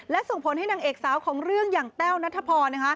และส่งผลให้นางเอกสาวของเรื่องอย่างแต้วนัทพร